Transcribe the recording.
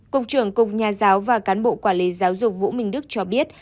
cục trưởng cục nhà giáo và cán bộ quản lý giáo dục vũ minh đức cho biết